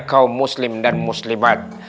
kaum muslim dan muslimat